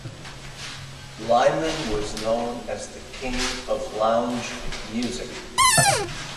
Lyman was known as the King of Lounge music.